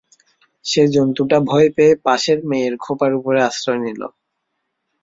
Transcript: সে জন্তুটা ভয় পেয়ে পাশের মেয়ের খোঁপার উপরে আশ্রয় নিলে।